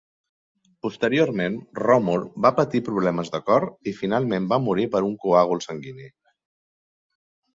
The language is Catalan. Posteriorment, Ròmul va patir problemes de cor i finalment va morir per un coàgul sanguini.